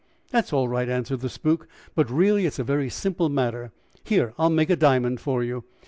"That's all right," answered the spook; "but really it is a very simple matter. Here; I will make a diamond for you."